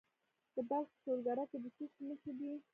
د بلخ په شولګره کې د څه شي نښې دي؟